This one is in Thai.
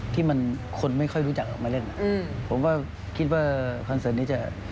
ที่มันคนไม่ค่อยรู้จักออกมาเล่นผมก็คิดว่าคอนเสิร์ตนี้จะ